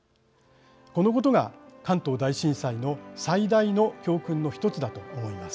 このことが関東大震災の最大の教訓のひとつだと思います。